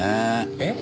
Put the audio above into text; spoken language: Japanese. えっ？